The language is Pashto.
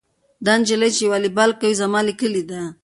دا نجلۍ چې والیبال کوي زما له کلي ده.